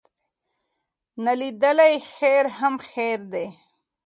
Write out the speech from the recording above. نا لیدلی خیر هم خیر دی.